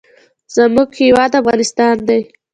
زموږ هیواد افغانستان دی.